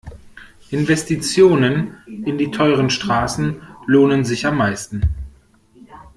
Investitionen in die teuren Straßen lohnen sich am meisten.